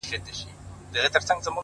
د خپل ښايسته خيال پر رنگينه پاڼه!